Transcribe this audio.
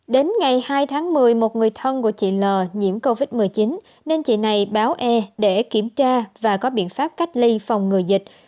đến ngày hai tháng một mươi một người thân của chị l nhiễm covid một mươi chín nên chị này báo e để kiểm tra và có biện pháp cách ly phòng ngừa dịch